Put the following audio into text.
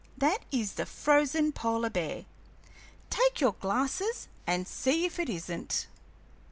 That is the frozen polar bear. Take your glass and see if it isn't."